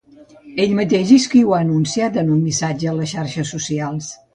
Ell mateix és qui ho ha anunciat en un missatge a les xarxes socials.